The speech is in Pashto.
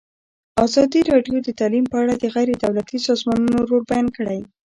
ازادي راډیو د تعلیم په اړه د غیر دولتي سازمانونو رول بیان کړی.